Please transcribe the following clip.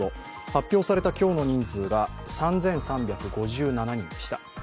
発表された今日の人数が３３５７人でした。